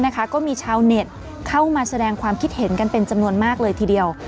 ก็มีชาวเน็ตเข้ามาแสดงความคิดเห็นกันเป็นจำนวนมากเลยทีเดียว